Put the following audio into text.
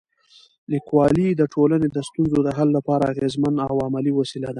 لیکوالی د ټولنې د ستونزو د حل لپاره اغېزمن او عملي وسیله ده.